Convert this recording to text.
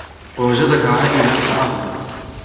وَوَجَدَكَ عَائِلًا فَأَغْنَى